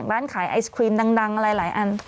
ร้านขายไอศครีมดังหลายอัน